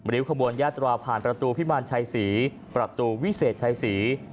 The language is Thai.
ริ้วขบวนยาตราผ่านประตูพิมารชัยศรีประตูวิเศษชัยศรี